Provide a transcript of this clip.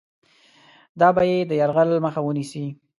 دا به د یرغل مخه ونیسي.